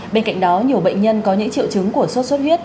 bên cạnh đó nhiều bệnh nhân có những triệu chứng của sốt xuất huyết